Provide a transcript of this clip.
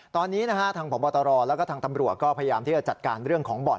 ตอนนี้นะฮะทางพบตรแล้วก็ทางตำรวจก็พยายามที่จะจัดการเรื่องของบ่อน